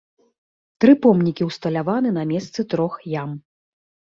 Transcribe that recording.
Тры помнікі ўсталяваны на месцы трох ям.